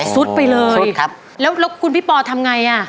สุดไปเลยสุดครับแล้วคุณพี่ปอร์ทำไง